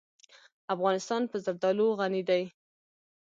افغانستان په زردالو غني دی.